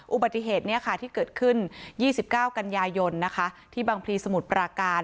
อุบัติเหตุที่เกิดขึ้น๒๙กันยายนที่บางพลีสมุทรปราการ